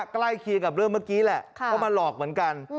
ใกล้เคียงกับเรื่องเมื่อกี้แหละก็มาหลอกเหมือนกัน